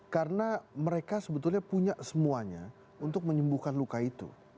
karena mereka sebetulnya punya semuanya untuk menyembuhkan luka itu